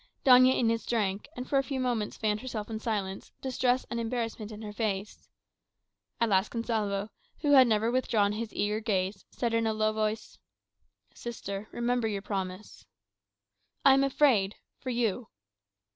Doña Inez drank, and for a few moments fanned herself in silence, distress and embarrassment in her face. At last Gonsalvo, who had never withdrawn his eager gaze, said in a low voice, "Sister, remember your promise." "I am afraid for you."